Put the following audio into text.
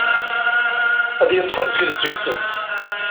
Ad yeṭṭef azgen seg-sen.